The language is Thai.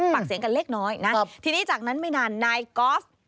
ปากเสียงกันเล็กน้อยนะทีนี้จากนั้นไม่นานนายกอล์ฟ